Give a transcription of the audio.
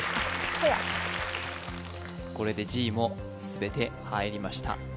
ほやこれでＧも全て入りました